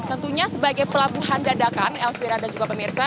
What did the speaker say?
tentunya sebagai pelabuhan dadakan elvira dan juga pemirsa